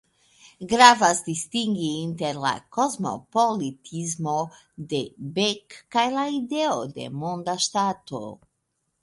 Gravas distingi inter la kosmopolitismo de Beck kaj la ideo de monda ŝtato.